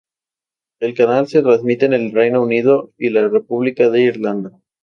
El canal se transmite en el Reino Unido y la República de Irlanda.